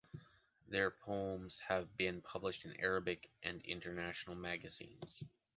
Their poems have been published in Arabic and international magazines.